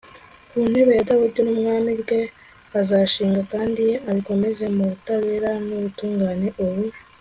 ku ntebe ya dawudi n'ubwami bwe; azabishinga kandi abikomeze mu butabera n'ubutungane ubu